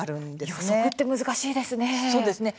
予測って難しいですね。